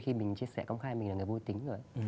khi mình chia sẻ công khai mình là người vô tính rồi